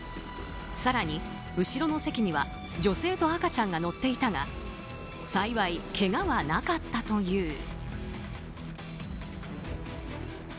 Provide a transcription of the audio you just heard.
更に後ろの席には女性と赤ちゃんが乗っていたが幸いけがはなかったという。